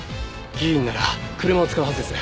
議員なら車を使うはずです。